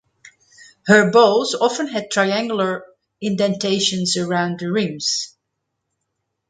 Her bowls often had triangular indentations around the rims.